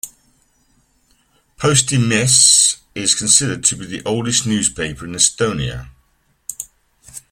"Postimees" is considered to be the oldest newspaper in Estonia.